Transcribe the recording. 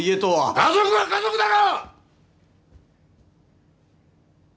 家族は家族だろ！！